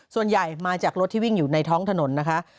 ส่วนใหญ่มาจากรถที่วิ่งอยู่ในท้องถนนนะคะ